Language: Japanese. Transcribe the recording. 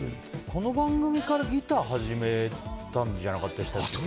この番組からギターを始めたんじゃなかったでしたっけ